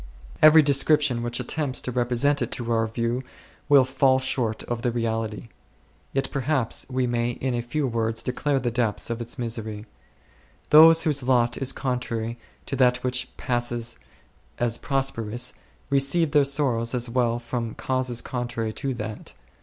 Every description which attempts to represent it to our view will fall short of the reality. Yet perhaps we may in a very few words declare the depths of its misery. Those whose lot is contrary to that which passes as prosperous receive their sorrows as well from causes contrary to that.